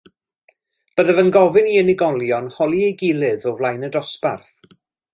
Byddaf yn gofyn i unigolion holi ei gilydd o flaen y dosbarth.